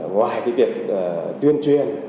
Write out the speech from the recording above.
ngoài việc tuyên truyền